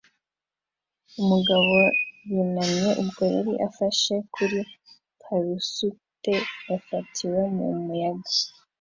Umugabo yunamye ubwo yari afashe kuri parasute yafatiwe mu muyaga